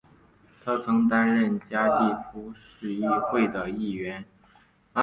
他曾经担任加的夫市议会的议员。